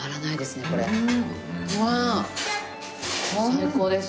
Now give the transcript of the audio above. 最高です。